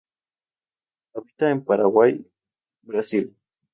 Habita en Paraguay Brasil.